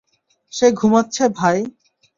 সে ঘুমাচ্ছে ভাই।